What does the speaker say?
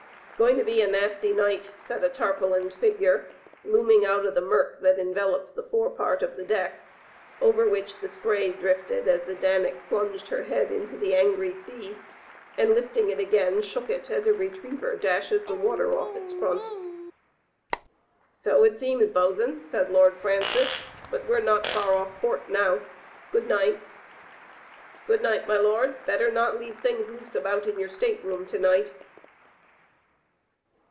"Going to be a nasty night, said a tarpaulined figure, looming out of the murk that enveloped the fore part of the deck, over which the spray drifted as the Danic plunged her head into the angry sea, and lifting it again shook it as a re triever dashes the water off its front. "So it seems, bos*n, said Lord Francis. "But we're not far off port now. Good night.*' "Good night, my lord. Better not leave things loose about in your stateroom to night.